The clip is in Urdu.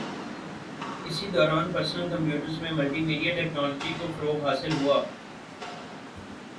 اسی دوران پرسنل کمپیوٹرز میں ملٹی میڈیا ٹیکنولوجی کو فروغ حاصل ہوا